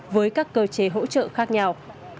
với các cơ chế hỗ trợ khác nhau